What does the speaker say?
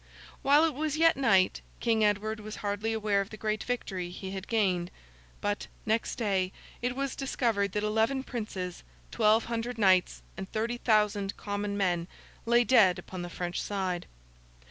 While it was yet night, King Edward was hardly aware of the great victory he had gained; but, next day, it was discovered that eleven princes, twelve hundred knights, and thirty thousand common men lay dead upon the French side.